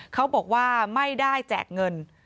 เขาบอกว่าไม่ได้แจกเงิน